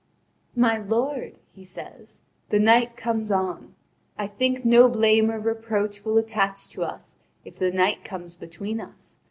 "My lord," he says, "the night comes on! I think no blame or reproach will attach to us if the night comes between us.